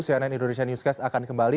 cnn indonesia newscast akan kembali